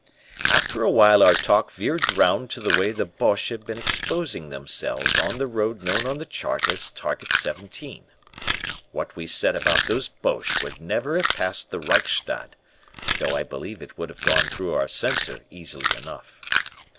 "After awhile our talk veered round to the way the Boches had been exposing themselves on the road known on the chart as Target Seventeen. What we said about those Boches would never have passed the Reichstag, though I believe it would have gone through our Censor easily enough.